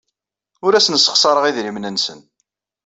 Ur asen-ssexṣareɣ idrimen-nsen.